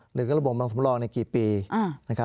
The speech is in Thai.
หรือระบบบางสำรองในกี่ปีนะครับ